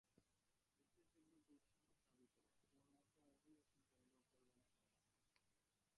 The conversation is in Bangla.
দেশের জন্যে দুঃসাহস দাবি কর, তোমার মতো মহীয়সীর জন্যে করবে না কেন?